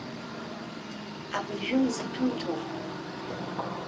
Абыржәы мзаҭәымҭоуп.